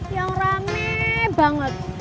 yang rame banget